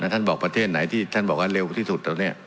ท่านบอกประเทศไหนที่ท่านบอกว่าเร็วที่สุดตอนนี้